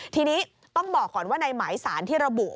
ทีนี้ต้องบอกก่อนว่าในหมายสารที่ระบุ